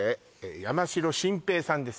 山城晋平さんです